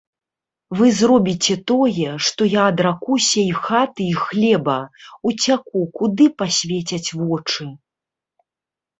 Вы зробіце тое, што я адракуся і хаты і хлеба, уцяку, куды пасвецяць вочы.